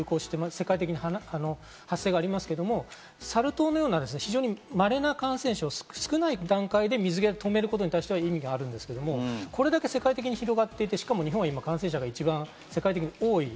世界的に発生がありますけれども、サル痘のような非常に稀な感染者を少ない段階で水際で止めることによっては意義があるんですけれども、これだけ世界的に広がっていて日本が今、感染者が世界的に多い。